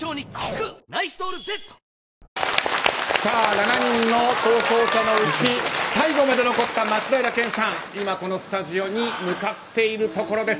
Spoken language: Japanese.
７人の逃走者のうち最後まで残った松平健さん、今スタジオに向かっているところです。